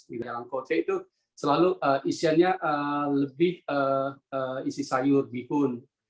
di dalam kocek itu selalu isiannya lebih isi sayur bihun